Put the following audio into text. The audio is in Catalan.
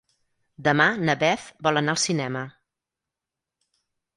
Demà na Beth vol anar al cinema.